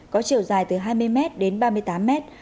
có chiều dài từ hai mươi m đến ba mươi tám m